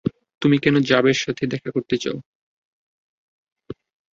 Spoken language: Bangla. কেন তুমি জারের সাথে দেখা করতে চাও?